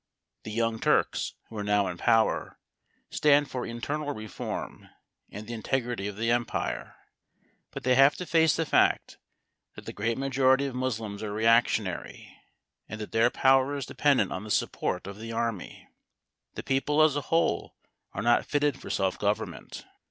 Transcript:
The Young Turks, who are now in power, stand for internal reform and the integrity of the empire. But they have to face the fact that the great majority of Moslems are reactionary, and that their power is dependent on the support of the army. The people as a whole are not fitted for self government.